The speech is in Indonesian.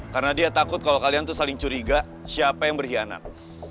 karena dia takut kalau kalian tuh saling curiga siapa yang berhianat